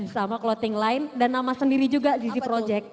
sama clothing line dan nama sendiri juga gizi project